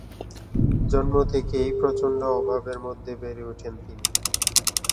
জন্ম থেকেই প্রচন্ড অভাবের মধ্যে বেড়ে উঠেন তিনি।